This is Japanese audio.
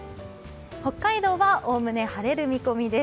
北海道はおおむね晴れる見込みです。